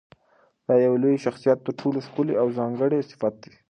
دا د یوه لوی شخصیت تر ټولو ښکلی او ځانګړی صفت دی.